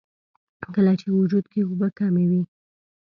کله چې وجود کښې اوبۀ کمې وي